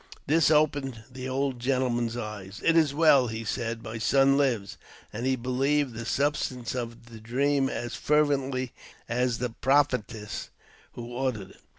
This^ opened the "old gentleman's" eyes. "It is well," he said " my son lives !" and he believed the substance of the dream as fervently as the prophetess who uttered it.